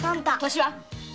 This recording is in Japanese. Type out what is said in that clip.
年は？